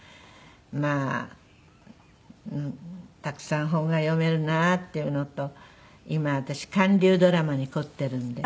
まあたくさん本が読めるなっていうのと今私韓流ドラマに凝ってるんで。